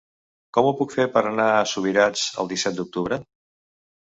Com ho puc fer per anar a Subirats el disset d'octubre?